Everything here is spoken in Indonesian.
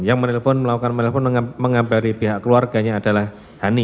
yang menelpon melakukan menelpon mengabari pihak keluarganya adalah hani